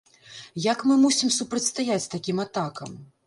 Як мы мусім супрацьстаяць такім атакам?